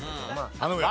頼むよ。